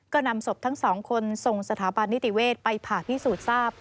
ก็นำศพทั้งสองคนส่งสถาบันนิติเวศไปผ่าพิสูจน์ทราบ